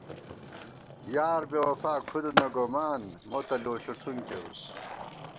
یار بېوَفا کھُد نہ گومان ، مو تہ لو ݪُݪُنگ کېرُس